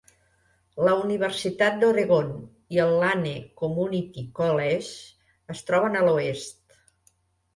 La Universitat d'Oregon i el Lane Community College es troben a l'oest.